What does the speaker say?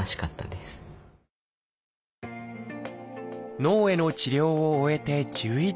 脳への治療を終えて１１年。